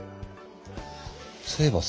そういえばさ。